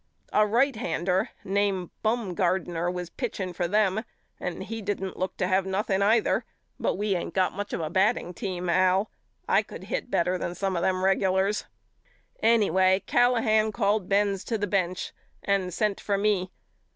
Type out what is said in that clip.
A righthander name Bumgardner was pitching for them and he didn't look to have nothing either but we ain't got much of a batting team Al. I could hit better than some of them regulars. Anyway Callahan called Benz to the bench and sent for me.